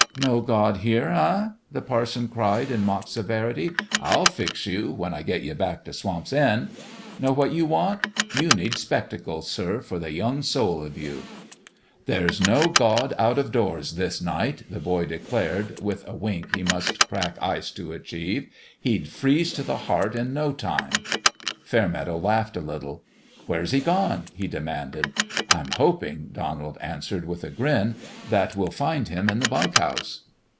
" No God here, eh ?" the parson cried, in mock severity. "Til fix you, when I get you back to Swamp's End. Know what you want ? You need spectacles, sir, for the young soul of you !"" There's no God out of doors this night," the boy declared, with a wink he must crack ice to achieve. " He'd freeze to the heart in no time." Fairmeadow laughed a little. " Where's He gone?" he demanded. " I'm hoping," Donald answered, with a grin, " that we'll find Him in the bunk house."